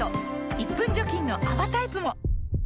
１分除菌の泡タイプも！